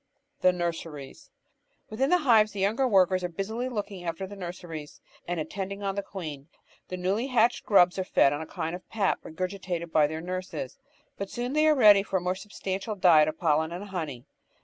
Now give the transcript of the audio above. The Nurseries Within the hives the younger workers are busily looking after the nurseries and attending on the queen. The newly hatched grubs are fed on a kind of pap regurgitated by their nurses, but soon they are ready for a more substantial diet of pollen and honey.